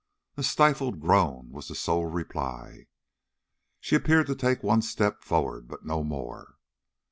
A stifled groan was the sole reply. She appeared to take one step forward, but no more.